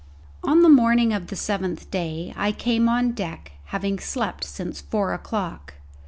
On the morning of the seventh day I came on deck, having slept since four o'clock.